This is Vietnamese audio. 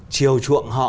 chiều truộng họ